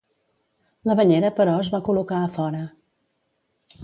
La banyera però es va col·locar a fora.